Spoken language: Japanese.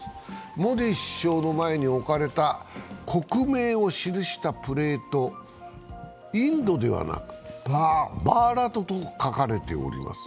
モディ首相の前に置かれた国名を記したプレートインドではなく、バーラトと書かれております。